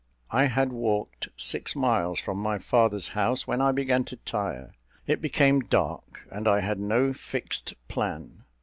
I had walked six miles from my father's house, when I began to tire. It became dark, and I had no fixed plan.